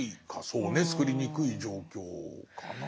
そうねつくりにくい状況かな。